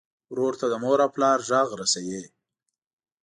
ورور ته د مور او پلار غږ رسوې.